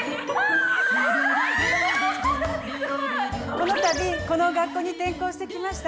この度この学校に転校してきました